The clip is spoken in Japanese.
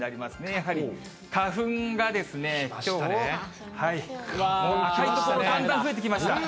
やはり花粉がですね、きょう、赤い所だんだん増えてきました。